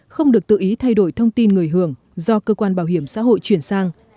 không được tự ý thay đổi thông tin người hưởng do cơ quan bảo hiểm xã hội chuyển sang